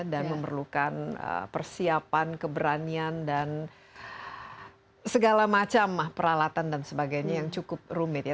dan memerlukan persiapan keberanian dan segala macam peralatan dan sebagainya yang cukup rumit ya